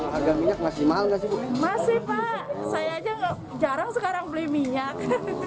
harga minyak masih mahal gak sih masih pak saya aja jarang sekarang beli minyak